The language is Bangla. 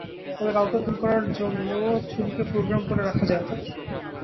তবে কাউকে খুন করার জন্য ছুরিকে প্রোগ্রাম করে রাখা যায় না।